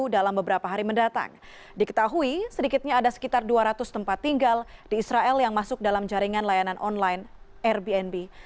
di ketahui sedikitnya ada sekitar dua ratus tempat tinggal di israel yang masuk dalam jaringan layanan online airbnb